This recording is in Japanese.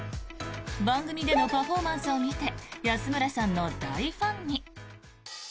番組でのパフォーマンスを見て安村さんの大ファンに。